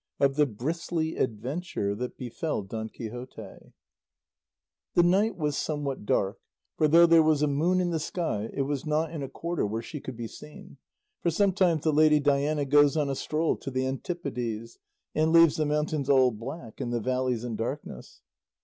OF THE BRISTLY ADVENTURE THAT BEFELL DON QUIXOTE The night was somewhat dark, for though there was a moon in the sky it was not in a quarter where she could be seen; for sometimes the lady Diana goes on a stroll to the antipodes, and leaves the mountains all black and the valleys in darkness.